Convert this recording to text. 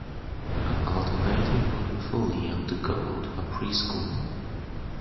An alternative would be for Leon to go to preschool